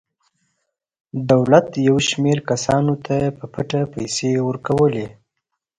دولت یو شمېر کسانو ته په پټه پیسې ورکولې.